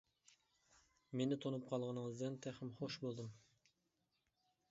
مېنى تونۇپ قالغىنىڭىزدىن تېخىمۇ خۇش بولدۇم.